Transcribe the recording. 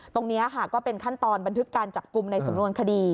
ตรงนี้ค่ะก็เป็นขั้นตอนบันทึกการจับกลุ่มในสำนวนคดี